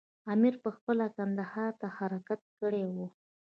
امیر پخپله کندهار ته حرکت کړی وو.